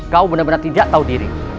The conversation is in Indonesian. kau benar benar tidak tahu diri